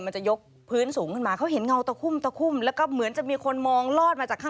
มันจะยกพื้นสูงขึ้นมา